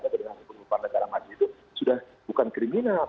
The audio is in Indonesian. atau negara negara maju itu sudah bukan kriminal